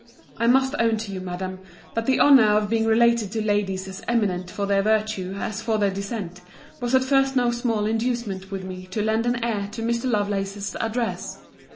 I must own to you, Madam, that the honour of being related to ladies as eminent for their virtue as for their descent, was at first no small inducement with me to lend an ear to Mr. Lovelace's address.